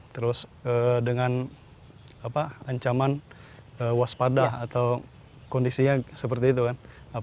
terus dengan ancaman waspada atau kondisinya seperti itu kan